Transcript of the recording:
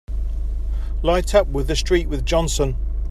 Light up with the street with Johnson!